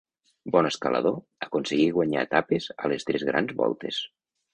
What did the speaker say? Bon escalador, aconseguí guanyar etapes a les tres Grans Voltes.